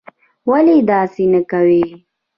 ولي داسې نه کوې?